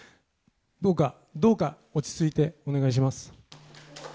どうか、どうか落ち着いてお願いします。